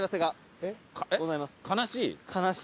悲しい？